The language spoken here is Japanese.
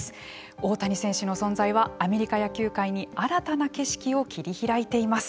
大谷選手の存在はアメリカ野球界に新たな景色を切り開いています。